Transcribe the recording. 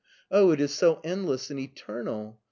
Oh, it is so endless and eternal!